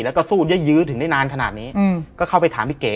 แล้วก็สู้เยอะยื้อถึงได้นานขนาดนี้ก็เข้าไปถามพี่เก๋